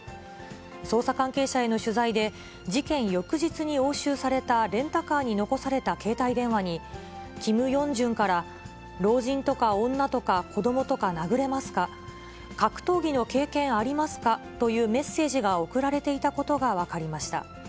捜査関係者への取材で、事件翌日に押収されたレンタカーに残された携帯電話に、キム・ヨンジュンから、老人とか女とか子どもとか殴れますか、格闘技の経験ありますかというメッセージが送られていたことが分かりました。